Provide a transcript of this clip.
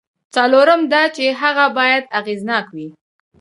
څلورم دا چې هغه باید اغېزناک وي.